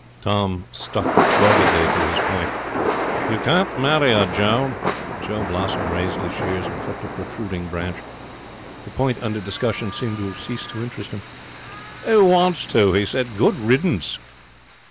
Tom stuck doggedly to his point. 'You can't marry her, Joe.' Joe Blossom raised his shears and clipped a protruding branch. The point under discussion seemed to have ceased to interest him. 'Who wants to?' he said. 'Good riddance!'